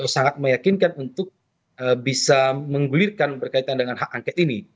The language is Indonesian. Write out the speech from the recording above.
sangat meyakinkan untuk bisa menggulirkan berkaitan dengan hak angket ini